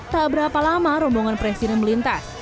tak berapa lama rombongan presiden melintas